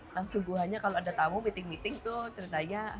langsung buahnya kalau ada tamu meeting meeting tuh ceritanya